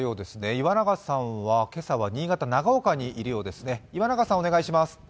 岩永さんは今朝は新潟・長岡にいるようですね。